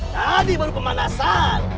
tadi baru pemanasan